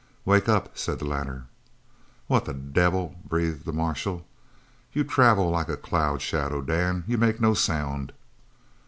"Wake up," said the latter. "What the devil " breathed the marshal. "You travel like a cloud shadow, Dan. You make no sound."